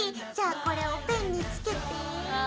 じゃこれをペンに付けて。